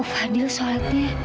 kok fadil sholatnya